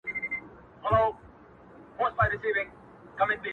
ګېډۍ، ګېډۍ ګلونه وشيندله،